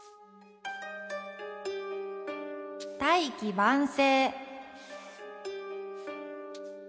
「大器晩成」。